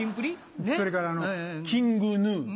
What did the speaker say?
それからＫｉｎｇＧｎｕ。